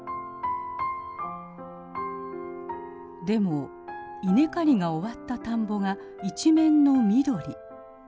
でも稲刈りが終わった田んぼが一面の緑。